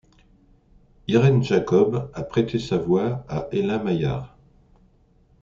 Irène Jacob a prêté sa voix à Ella Maillart.